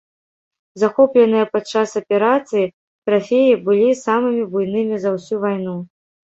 Захопленыя падчас аперацыі трафеі былі самымі буйнымі за ўсю вайну.